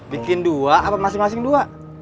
bikin dua apa masing masing dua